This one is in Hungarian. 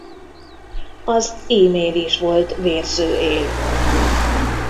Az e-mail is volt vérző él.